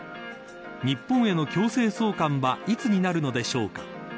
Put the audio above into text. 日本への強制送還はいつになるのでしょうか。